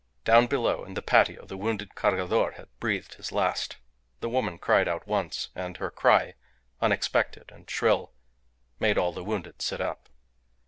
Down below in the patio the wounded Cargador had breathed his last. The woman cried out once, and her cry, unexpected and shrill, made all the wounded sit up.